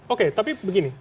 oke tapi begini